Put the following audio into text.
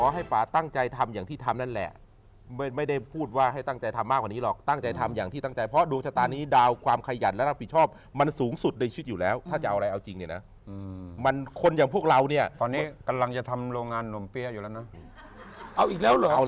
ให้ป่าตั้งใจทำอย่างที่ทำนั่นแหละไม่ได้พูดว่าให้ตั้งใจทำมากกว่านี้หรอกตั้งใจทำอย่างที่ตั้งใจเพราะดวงชะตานี้ดาวความขยันและรับผิดชอบมันสูงสุดในชีวิตอยู่แล้วถ้าจะเอาอะไรเอาจริงเนี่ยนะมันคนอย่างพวกเราเนี่ยตอนนี้กำลังจะทำโรงงานนมเปี้ยอยู่แล้วนะเอาอีกแล้วเหรอ